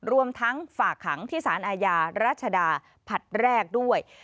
รวมทั้งฝากขังที่สารอาญารัชดาผลัดแรกด้วย